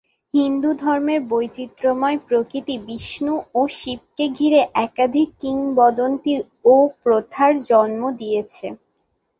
হিন্দুধর্মের বৈচিত্র্যময় প্রকৃতি বিষ্ণু ও শিবকে ঘিরে একাধিক কিংবদন্তি ও প্রথার জন্ম দিয়েছে।